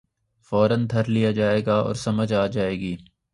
فورا دھر لیا جائے گا اور سمجھ آ جائے گی۔